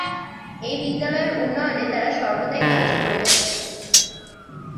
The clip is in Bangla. এই বিদ্যালয়ের উন্নয়নে তারা সর্বদাই কাজ করে যাচ্ছে।